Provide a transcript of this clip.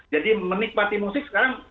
jadi menikmati musik sekarang